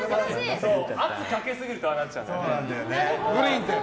圧かけすぎるとああなっちゃうんだよね。